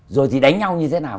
rồi thì đánh nhau như thế nào